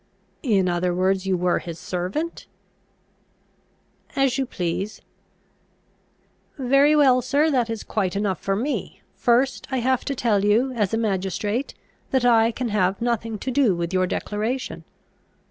"In other words, you were his servant?" "As you please." "Very well, sir; that is quite enough for me. First, I have to tell you, as a magistrate, that I can have nothing to do with your declaration.